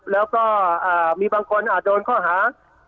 แล้วก็มีบางคนอาจโดนข้อหา